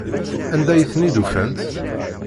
Anda ay ten-id-ufant?